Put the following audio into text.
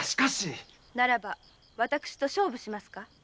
ならば私と勝負しますか？